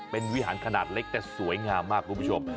เป็นวิหารขนาดเล็กแต่สวยงามมากคุณผู้ชม